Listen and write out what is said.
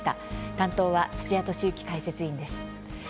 担当は土屋敏之解説委員です。